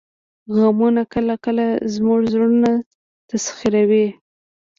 غمونه کله کله زموږ زړونه تسخیروي